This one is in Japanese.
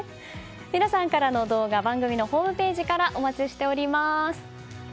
皆さんからの動画番組のホームページからお待ちしております。